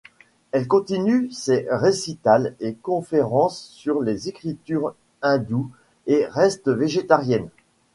Elle continue ses récitals et conférences sur les écritures hindoues et reste végétarienne.